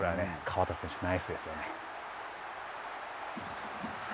河田選手、ナイスですよね。